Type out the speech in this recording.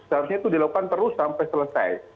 seharusnya itu dilakukan terus sampai selesai